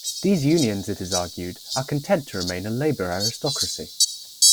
These unions, it is argued, are content to remain a labor aristocracy.